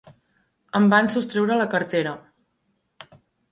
Em van sostreure la cartera.